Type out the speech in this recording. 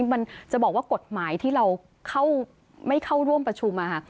มันจะบอกว่ากฎหมายที่เราไม่เข้าร่วมประชุม